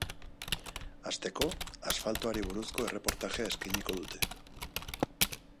Hasteko, asfaltoari buruzko erreportajea eskainiko dute.